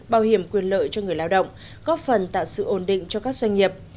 bảo hiểm quyền lợi cho người lao động góp phần tạo sự ổn định cho các doanh nghiệp